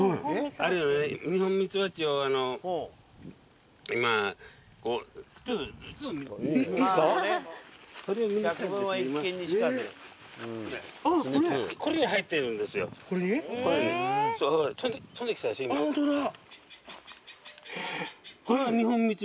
あっホントだ！